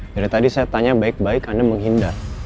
dari tadi saya tanya baik baik anda menghindar